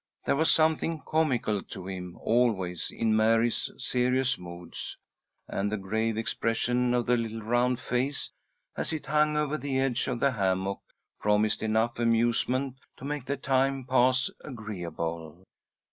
There was something comical to him always in Mary's serious moods, and the grave expression of the little round face, as it hung over the edge of the hammock, promised enough amusement to make the time pass agreeably.